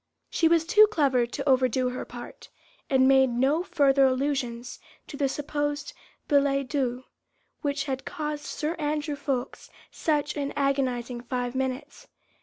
She was too clever to overdo her part, and made no further allusions to the supposed billet doux, which had caused Sir Andrew Ffoulkes such an agonising five minutes.